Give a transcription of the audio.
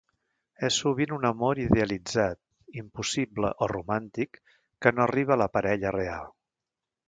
És sovint un amor idealitzat, impossible o romàntic, que no arriba a la parella real.